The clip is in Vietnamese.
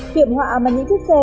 kiểm họa mà những chiếc xe